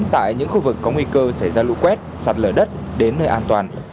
tại những khu vực có nguy cơ xảy ra lũ quét sạt lở đất đến nơi an toàn